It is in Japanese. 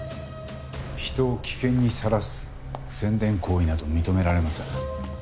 人を危険にさらす宣伝行為など認められません。